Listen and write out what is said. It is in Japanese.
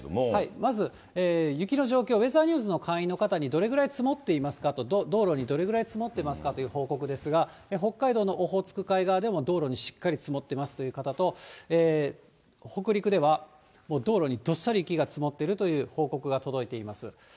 まず、雪の状況、ウェザーニューズの会員の方にどれくらい積もっていますかと、道路にどれぐらい積もってますかという報告ですが、北海道のオホーツク海側でも道路にしっかり積もってますという方と、北陸では、もう道路にどっさり雪が積もってるという報告が届いています。